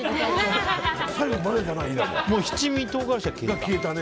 七味唐辛子は消えた。